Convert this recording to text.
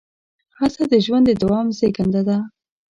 هڅه د ژوند د دوام زېږنده ده.